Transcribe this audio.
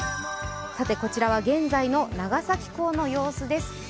こちらは現在の長崎港の様子です。